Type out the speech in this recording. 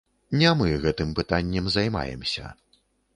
Не мы гэтым пытаннем займаемся.